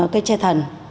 cây tre thần